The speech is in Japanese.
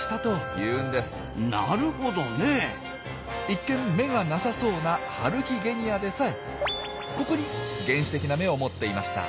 一見眼がなさそうなハルキゲニアでさえここに原始的な眼を持っていました。